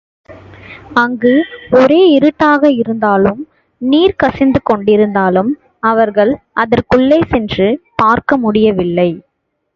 அங்கு ஒரே இருட்டாக இருந்ததாலும், நீர் கசிந்துகொண்டிருந்ததாலும் இவர்கள் அதற்குள்ளே சென்று பார்க்க முடியவில்லை.